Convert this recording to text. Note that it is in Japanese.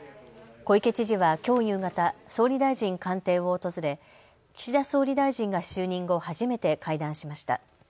小池知事はきょう夕方、総理大臣官邸を訪れ岸田総理大臣が就任後、初めて会談しました。